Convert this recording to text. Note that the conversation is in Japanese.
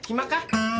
うん。